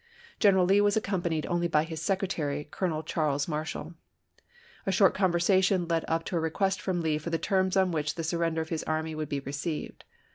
General Lee was accompanied only by his secretary, Colonel Charles Marshall. A short conversation led up to a request from Lee for the terms on which the sur render of his army would be received.